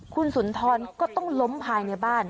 คุณสุนทรก็ต้องล้มภายในบ้าน